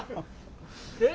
えっ。